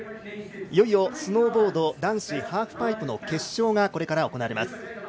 いよいよスノーボード男子ハーフパイプの決勝が行われます。